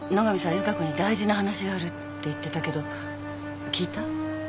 由加子に大事な話があるって言ってたけど聞いた？